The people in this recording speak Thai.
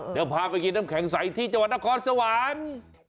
เดี๋ยวพาไปกินน้ำแข็งใสที่จังหวัดนครสวรรค์